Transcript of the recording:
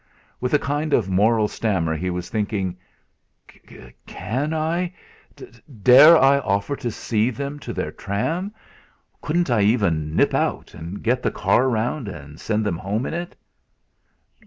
With a kind of moral stammer, he was thinking: 'Can I dare I offer to see them to their tram? Couldn't I even nip out and get the car round and send them home in it?